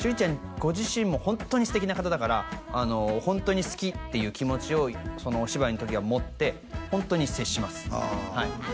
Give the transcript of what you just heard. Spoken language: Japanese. ご自身もホントに素敵な方だからホントに好きっていう気持ちをそのお芝居の時は持ってホントに接しますはいああ